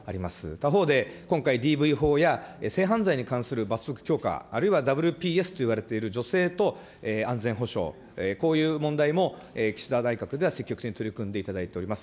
他方で、今回、ＤＶ法や性犯罪に関する罰則強化、あるいはＷＰＳといわれている女性と安全保障、こういう問題も岸田内閣では積極的に取り組んでいただいております。